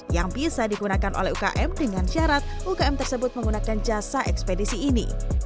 yang bisa digunakan oleh ukm dengan syarat ukm tersebut menggunakan jasa ekspedisi ini